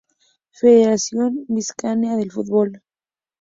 Federación Vizcaína de Fútbol